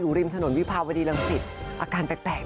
โอ้โฮสวัสดีค่ะ